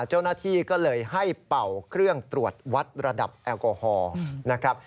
เจ้าหน้าที่ก็เลยให้เป่าเครื่องตรวจวัดระดับแอลกอฮอล์นะครับ